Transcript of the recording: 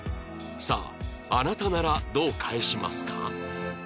さああなたならどう返しますか？